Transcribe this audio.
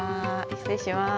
失礼します。